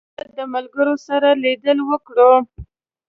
موږ به د ملګرو سره لیدل وکړو